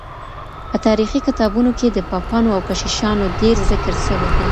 په تاريخي کتابونو کي د پاپانو او کشيشانو ډېر ذکر سوی دی.